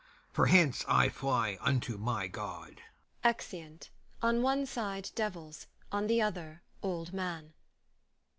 for hence I fly unto my God. [Exeunt, on one side, DEVILS, on the other, OLD MAN.